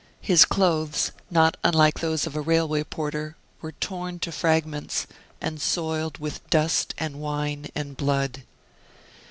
His clothes, not unlike those of a railway porter, were torn to fragments, and soiled with dust and wine and blood.